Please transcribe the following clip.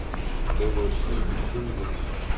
They were accused of treason.